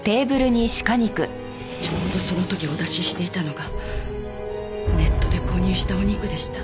ちょうどその時お出ししていたのがネットで購入したお肉でした。